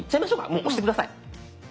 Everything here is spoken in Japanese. もう押して下さい。